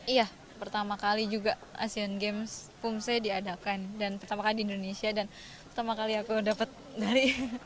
iya pertama kali juga asian games pumse diadakan dan pertama kali di indonesia dan pertama kali aku dapat dari